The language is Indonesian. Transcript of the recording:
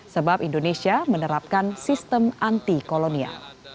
sebab indonesia menerapkan sistem anti kolonia